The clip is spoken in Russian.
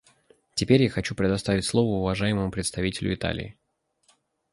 Теперь я хочу предоставить слово уважаемому представителю Италии.